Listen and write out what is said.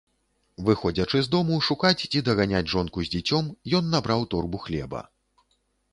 Выходзячы з дому шукаць ці даганяць жонку з дзіцем, ён набраў торбу хлеба.